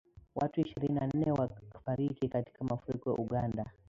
Watu ishirini na nne wafariki katika mafuriko Uganda